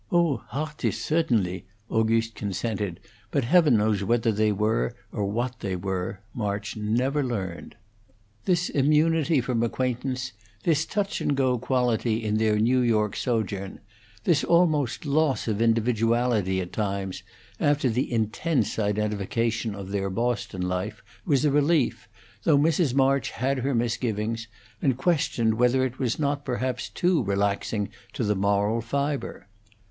"Oh, hartis, cedenly," August consented; but Heaven knows whether they were, or what they were: March never learned. This immunity from acquaintance, this touch and go quality in their New York sojourn, this almost loss of individuality at times, after the intense identification of their Boston life, was a relief, though Mrs. March had her misgivings, and questioned whether it were not perhaps too relaxing to the moral fibre.